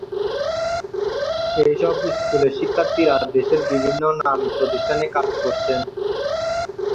এইসব স্কুলের শিক্ষার্থীরা দেশের বিভিন্ন নামী প্রতিষ্ঠানে কাজ করছেন।